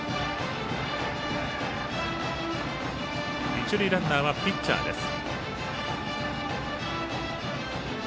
一塁ランナーはピッチャーです。